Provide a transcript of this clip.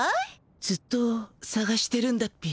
ずっとさがしてるんだっピィ。